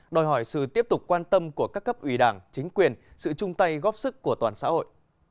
đòi hỏi sự tiếp tục quan tâm của các cấp ủy đảng chính quyền sự chung tay góp sức của toàn xã hội